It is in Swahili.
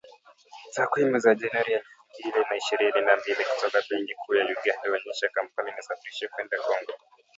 Takwimu za Januari elfu mbili na ishirini na mbili kutoka Benki Kuu ya Uganda, huonyesha Kampala inasafirisha kwenda Kongo